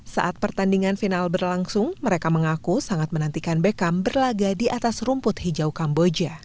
saat pertandingan final berlangsung mereka mengaku sangat menantikan beckham berlaga di atas rumput hijau kamboja